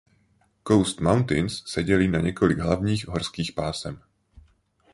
Coast Mountains se dělí na několik hlavních horských pásem.